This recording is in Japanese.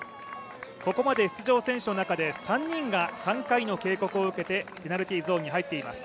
ここまで出場選手の中で３人が３回の警告を受けて、ペナルティーゾーンに入っています。